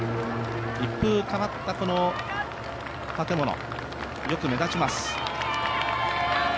一風変わった建物、よく目立ちます